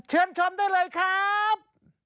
เชิญชมได้เลยครับ